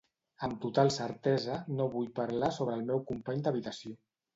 Amb total certesa, no vull parlar sobre el meu company d'habitació.